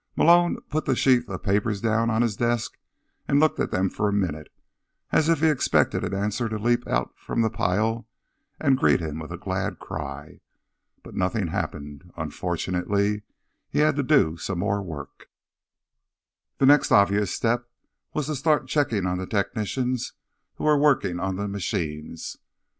Malone put the sheaf of papers down on his desk and looked at them for a minute as if he expected an answer to leap out from the pile and greet him with a glad cry. But nothing happened. Unfortunately, he had to do some more work. The obvious next step was to start checking on the technicians who were working on the machines.